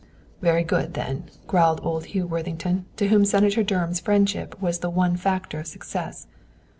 "Very good, then," growled old Worthington, to whom Senator Durham's friendship was the one factor of success.